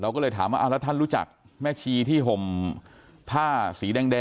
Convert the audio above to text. ก็เลยถามว่าแล้วท่านรู้จักแม่ชีที่ห่มผ้าสีแดง